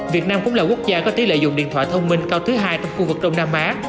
việt nam cũng là quốc gia có tỷ lệ dùng điện thoại thông minh cao thứ hai trong khu vực đông nam á